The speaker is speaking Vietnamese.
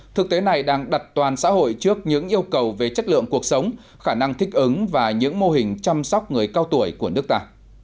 thực tế này đang đặt toàn xã hội trước những yêu cầu về chất lượng cuộc sống khả năng thích ứng và những mô hình chăm sóc người cao tuổi của nước ta